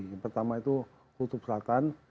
yang pertama itu kutub selatan